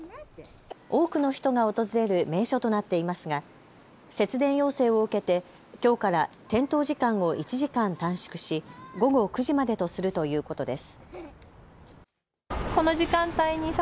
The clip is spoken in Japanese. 多くの人が訪れる名所となっていますが節電要請を受けてきょうから点灯時間を１時間短縮し午後９時までとするということです。